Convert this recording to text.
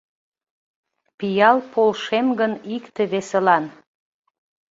Пиал Полшем гын икте-весылан.